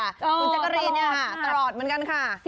ตัวจังหรีเนี่ยตลอดเหมือนกันค่ะ